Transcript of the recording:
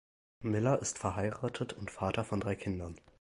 Miller ist verheiratet und Vater von drei Kindern.